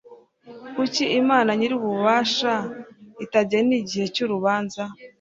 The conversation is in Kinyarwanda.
kuki imana nyirububasha atagena igihe cy'urubanza